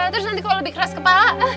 terus nanti kalau lebih keras kepala